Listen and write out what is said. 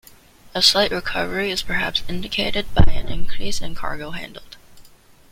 A slight recovery is perhaps indicated by an increase in cargo handled.